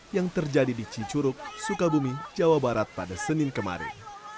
yang terjadi di cicuruk sukabumi jawa barat pada senin kemarin